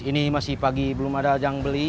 ini masih pagi belum ada yang beli